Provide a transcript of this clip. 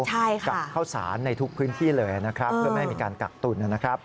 ใช่ค่ะกับข้าวสารในทุกพื้นที่เลยนะครับเพื่อไม่ให้มีการกักตุนนะครับ